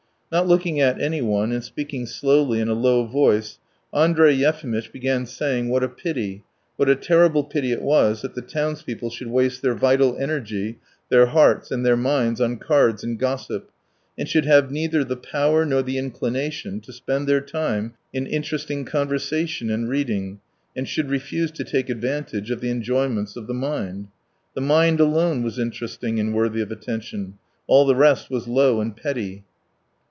Not looking at anyone and speaking slowly in a low voice, Andrey Yefimitch began saying what a pity, what a terrible pity it was that the townspeople should waste their vital energy, their hearts, and their minds on cards and gossip, and should have neither the power nor the inclination to spend their time in interesting conversation and reading, and should refuse to take advantage of the enjoyments of the mind. The mind alone was interesting and worthy of attention, all the rest was low and petty.